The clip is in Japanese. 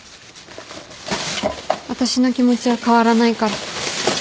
私の気持ちは変わらないから。